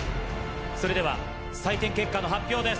それでは採点結果の発表です。